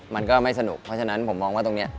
มันก็ไม่สนุกเพราะฉะนั้นผมมองว่าตรงนี้